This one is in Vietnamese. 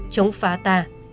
chống phá ta